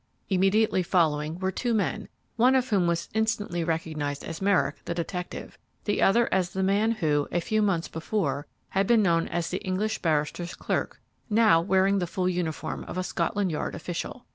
Immediately following were two men, one of whom was instantly recognized as Merrick, the detective; the other as the man who, a few months before, had been known as the English barrister's clerk, now wearing the full uniform of a Scotland Yard official.